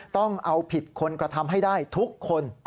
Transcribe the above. ต้องเอาผิดคนกระทำให้ได้ทุกคน